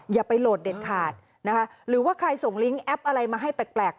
อย่าไปโหลดเด็ดขาดนะคะหรือว่าใครส่งลิงก์แอปอะไรมาให้แปลก